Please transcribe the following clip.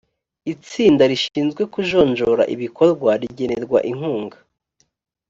itsinda rishinzwe kujonjora ibikorwa rigenerwa inkunga .